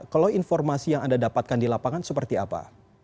kalau informasi yang anda dapatkan di lapangan seperti apa